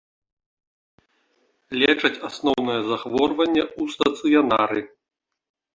Лечаць асноўнае захворванне ў стацыянары.